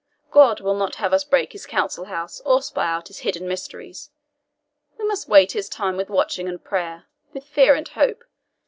God will not have us break into His council house, or spy out His hidden mysteries. We must wait His time with watching and prayer with fear and with hope.